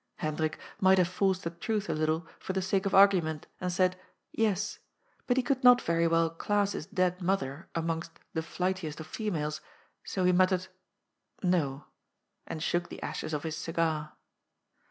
Hendrik might have forced the truth a little for the sake of argument and said :" Yes," but he could not very well class his dead mother among " the flightiest of females," so he muttered :" Ifo," and shook the ashes off his cigar.